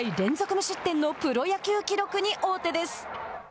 無失点のプロ野球記録に大手です。